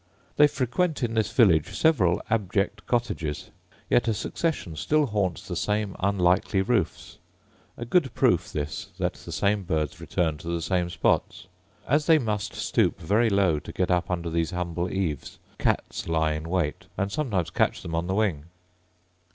They frequent in this village several abject cottages: yet a succession still haunts the same unlikely roofs: a good proof this that the same birds return to the same spots. As they must stoop very low to get up under these humble eaves, cats lie in wait, and sometimes catch them on the wing.